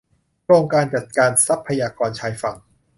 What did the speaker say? โครงการจัดการทรัพยากรชายฝั่ง